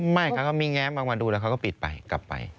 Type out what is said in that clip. ไม่เขาก็มีแง้มออกมาดูแล้วเขาก็ปิดไปกลับไป